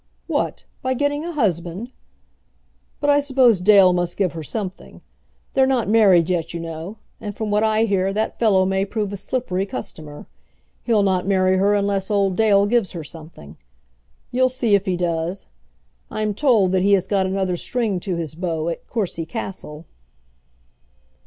"What; by getting a husband? But I suppose Dale must give her something. They're not married yet, you know, and, from what I hear, that fellow may prove a slippery customer. He'll not marry her unless old Dale gives her something. You'll see if he does. I'm told that he has got another string to his bow at Courcy Castle."